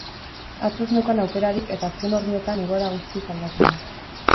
Atzo ez neukan aukerarik eta azken orduetan egoera guztiz aldatu da.